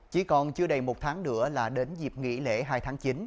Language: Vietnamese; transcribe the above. chỉ còn chưa đầy một tháng nữa là đến dịp nghỉ lễ hai tháng chín